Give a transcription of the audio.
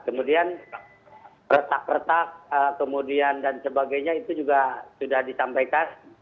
kemudian retak retak kemudian dan sebagainya itu juga sudah disampaikan